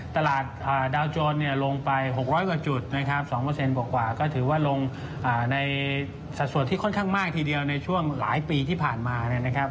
ตลาดดาวโจรลงไป๖๐๐กว่าจุดนะครับ๒กว่าก็ถือว่าลงในสัดส่วนที่ค่อนข้างมากทีเดียวในช่วงหลายปีที่ผ่านมานะครับ